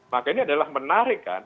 makanya adalah menarik kan